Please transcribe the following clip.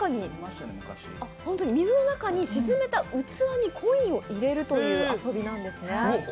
水の中に沈めた器にコインを入れるという遊びなんですね。